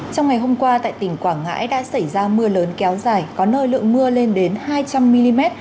trong ngày hôm qua tại tỉnh quảng ngãi đã xảy ra mưa lớn kéo dài có nơi lượng mưa lên đến hai trăm linh mm